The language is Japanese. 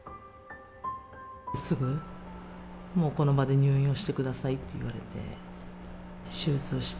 すぐ、もうこの場で入院をしてくださいって言われて、手術をして、